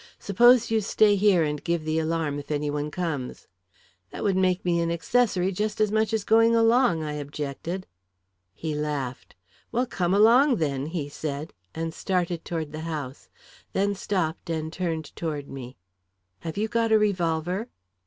"Suppose you stay here and give the alarm if any one comes." "That would make me an accessory just as much as going along," I objected. He laughed. "Well, come along, then," he said, and started toward the house; then stopped and turned toward me. "Have you got a revolver?"